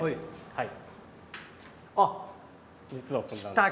はい。